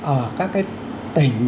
ở các tỉnh